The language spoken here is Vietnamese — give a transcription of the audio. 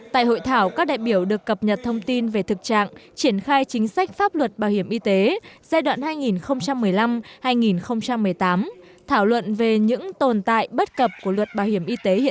tại hội thảo các đại biểu được cập nhật thông tin về thực trạng triển khai chính sách pháp luật bảo hiểm y tế giai đoạn hai nghìn một mươi năm hai nghìn một mươi tám thảo luận về những tồn tại bất cập của luật bảo hiểm y tế